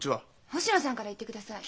星野さんから言ってください。